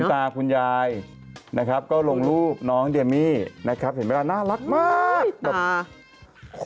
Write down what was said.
ตาคุณยายนะครับก็ลงรูปน้องเดมี่นะครับเห็นไหมล่ะน่ารักมากแบบ